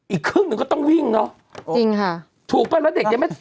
อีกครึ่งนึงก็ต้องวิ่งเนาะ